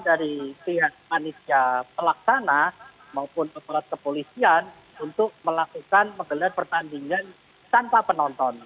dari pihak panitia pelaksana maupun aparat kepolisian untuk melakukan menggelar pertandingan tanpa penonton